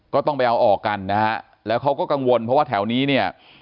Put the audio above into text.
ก็ต้องไปเอาออกกันนะฮะแล้วเขาก็กังวลเพราะว่าแถวนี้เนี่ย